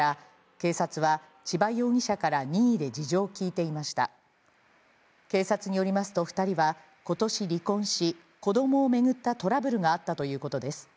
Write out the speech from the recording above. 警察によりますと、２人はことし離婚し、子どもを巡ったトラブルがあったということです。